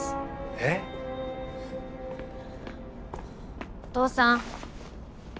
え⁉お父さん！